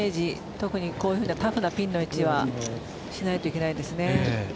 特にタフなピンの位置はしないといけないですね。